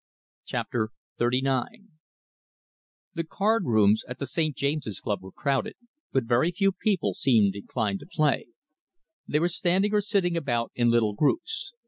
CHAPTER XXXIX The card rooms at the St. James's Club were crowded, but very few people seemed inclined to play. They were standing or sitting about in little groups.